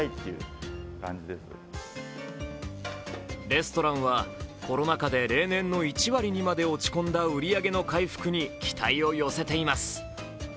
レストランはコロナ禍で例年の１割にまで落ち込んだ売り上げの回復に期待を寄せています。